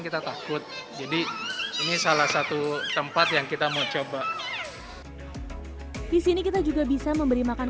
kita takut jadi ini salah satu tempat yang kita mau coba di sini kita juga bisa memberi makan